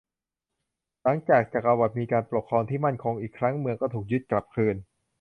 หลังจากจักรวรรดิมีการปกครองที่มั่นคงอีกครั้ง เมืองก็ถูกยึดกลับคืน